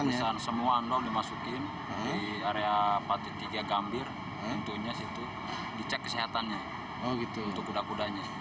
pemeriksaan semua dimasukin di area empat puluh tiga gambir tentunya situ di cek kesehatannya untuk kuda kudanya